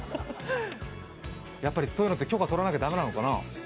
やっぱりそういのって許可取らなきゃ駄目なのかな。